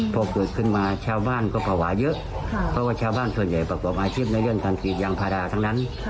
พอเกิดขึ้นมาชาวบ้านก็ภาวะเยอะเพราะว่าชาวบ้านส่วนใหญ่ประกอบอาชีพในเรื่องการกรีดยางพาราทั้งนั้น